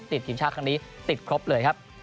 ติดทีมชาติครั้งนี้ติดครบเลยครับ